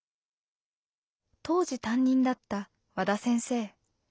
当時担任だった和田先生。